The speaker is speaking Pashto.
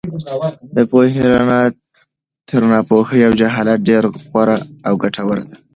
د پوهې رڼا تر ناپوهۍ او جهالت ډېره غوره او ګټوره ده.